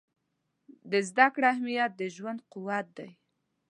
د زده کړې اهمیت د ژوند قوت دی.